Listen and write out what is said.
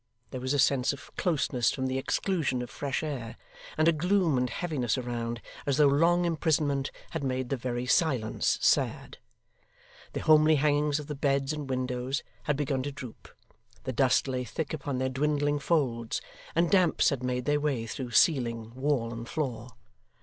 There was a sense of closeness from the exclusion of fresh air, and a gloom and heaviness around, as though long imprisonment had made the very silence sad. The homely hangings of the beds and windows had begun to droop; the dust lay thick upon their dwindling folds; and damps had made their way through ceiling, wall, and floor.